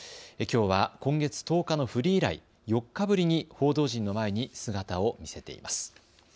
きょうは今月１０日のフリー以来４日ぶりに報道陣の前に姿を見せています。